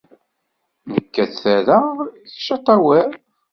Nekk ad t-rreɣ, kečč ad t-tawiḍ.